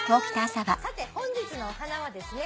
さて本日のお花はですね